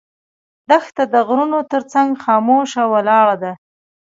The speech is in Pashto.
دښته د غرونو تر څنګ خاموشه ولاړه ده.